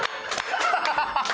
ハハハハ！